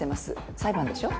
裁判でしょ？